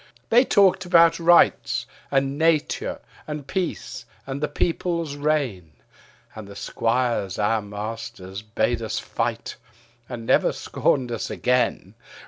They talked about rights and nature and peace and the people's reign: And the squires, our masters, bade us fight; and never scorned us again.